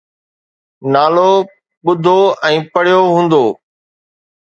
نالو ٻڌو ۽ پڙهيو هوندو